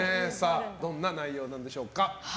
どんな内容なのでしょうか。